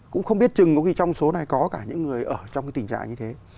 cũng không biết chừng có khi trong số này có cả những người ở trong cái tình trạng như thế